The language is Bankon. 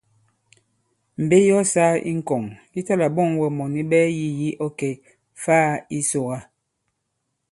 Mbe yi ɔ sāa i ŋkɔ̀ŋ yi ta-là-ɓɔ᷇ŋ wɛ mɔ̀ni ɓɛɛ yî yi ɔ kè-faā i Sòkà.